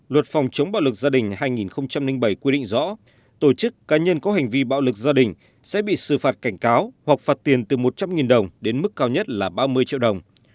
luật phòng chống bạo lực gia đình hai nghìn bảy quy định rõ tổ chức cá nhân có hành vi bạo lực gia đình sẽ bị xử phạt cảnh cáo hoặc phạt tiền từ một trăm linh đồng đến mức cao nhất là ba mươi triệu đồng